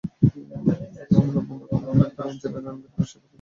আমার বন্ধুরা অনেকেই ডাক্তার, ইঞ্জিনিয়ার, আইনবিদ, ব্যবসায়ী প্রভৃতি হওয়ার আশা পোষণ করে।